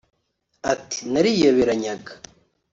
Ati” Nariyoberanyaga